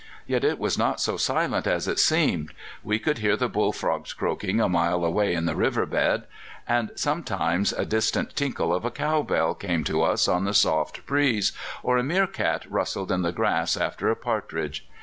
Yet it was not so silent as it seemed: we could hear the bull frogs croaking a mile away in the river bed, and sometimes a distant tinkle of a cow bell came to us on the soft breeze, or a meercat rustled in the grass after a partridge.